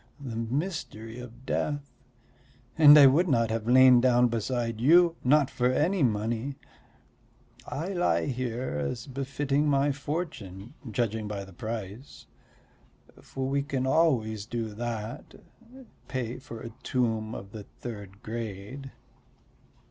The mystery of death! And I would not have lain down beside you not for any money; I lie here as befitting my fortune, judging by the price. For we can always do that pay for a tomb of the third grade."